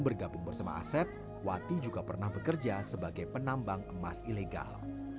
bergabung bersama asep wati juga pernah bekerja sebagai penambang emas ilegal